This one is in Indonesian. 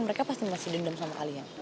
mereka pasti masih dendam sama alinya